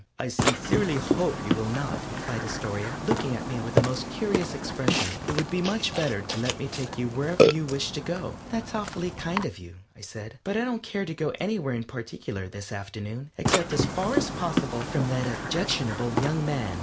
"I sincerely hope you will not," replied Astoria, looking at me with the most curious expression. "It would be much better to let me take you wherever you wish to go." "That's awfully kind of you," I said, "but I don't care to go anywhere in particular this afternoon, except as far as possible from that objectionable young man."